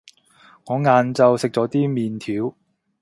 我晏晝食咗啲麵條